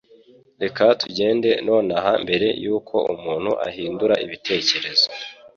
Reka tugende nonaha mbere yuko umuntu ahindura ibitekerezo.